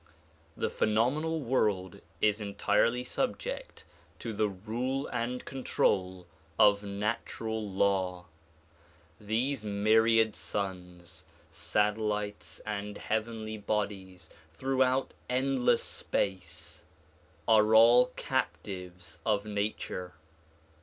The phenomenal world is entirely subject to the rule and control of natural law. These myriad suns, satellites and heavenly bodies throughout endless space are all captives of nature.